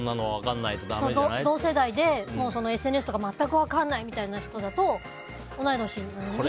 同世代でＳＮＳとか全く分からないみたいな人だと同い年なのに。